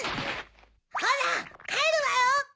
ほらかえるわよ！